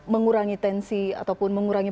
mengurangi tensi ataupun mengurangi